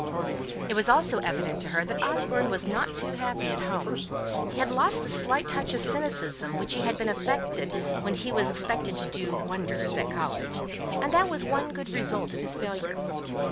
It was also evident to her that Osborne was not too happy at home. He had lost the slight touch of cynicism which he had affected when he was expected to do wonders at college; and that was one good result of his failure.